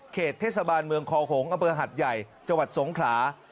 เขตเทศบาลเมืองคอโขงอเบอร์หัดใหญ่จังหวัดสงขลา